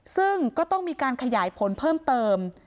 ซึ่งก็ต้องมีการขยายผลเพิ่มเติม